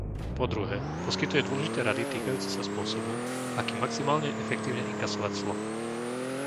Po druhé, poskytuje dôležité rady týkajúce sa spôsobu, akým maximálne efektívne inkasovať clo.